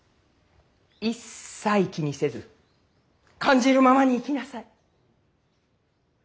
一切気にせず感じるままに生きなさい。